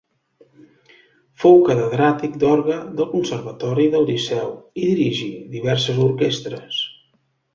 Fou catedràtic d'orgue del Conservatori del Liceu i dirigí diverses orquestres.